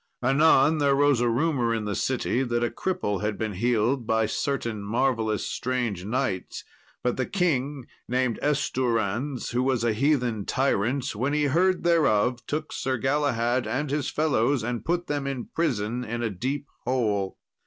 Anon there rose a rumour in the city that a cripple had been healed by certain marvellous strange knights. But the king, named Estouranse, who was a heathen tyrant, when he heard thereof took Sir Galahad and his fellows, and put them in prison in a deep hole.